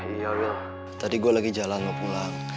iya tadi gue lagi jalan mau pulang